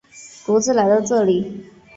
独自来到这里